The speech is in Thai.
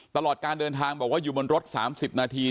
ตลอดการเดินทางบอกว่าอยู่บนรถ๓๐นาที